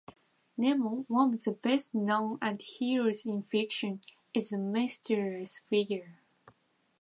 Nemo, one of the best known antiheroes in fiction, is a mysterious figure.